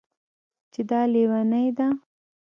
چې دا لېونۍ ده